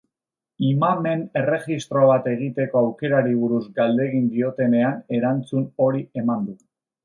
Imamen erregistro bat egiteko aukerari buruz galdegin diotenean erantzun hori eman du.